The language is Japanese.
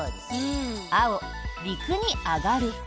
青、陸に上がる。